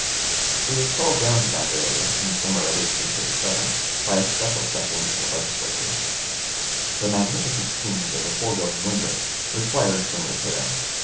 He was called down to Vandalia in the summer of 1837, by a special session of the Legislature. The magnificent schemes of the foregoing winter required some repairing.